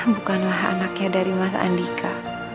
bukanlah anaknya dari mas andika